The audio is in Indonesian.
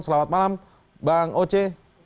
selamat malam bang oce